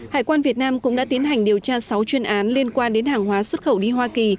hải quan việt nam cũng đã tiến hành điều tra sáu chuyên án liên quan đến hàng hóa xuất khẩu đi hoa kỳ